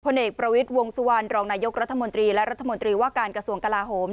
เอกประวิทย์วงสุวรรณรองนายกรัฐมนตรีและรัฐมนตรีว่าการกระทรวงกลาโหม